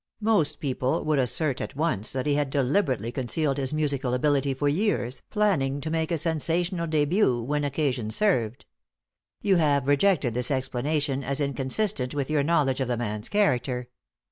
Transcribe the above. Most people would assert at once that he had deliberately concealed his musical ability for years, planning to make a sensational début when occasion served. You have rejected this explanation as inconsistent with your knowledge of the man's character.